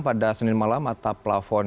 pada senin malam atap plafon